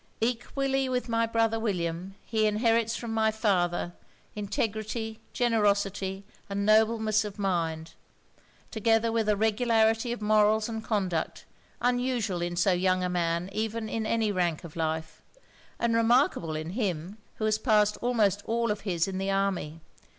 Equally with my brother William, he inherits from my father, integrity, generosity and nobleness of mind, together with a regularity of morals and conduct, unusual in so young a man even in any rank of life, and remarkable in him, who has passed almost all his in the army.